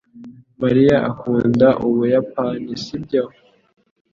Mariya akunda Ubuyapani, sibyo?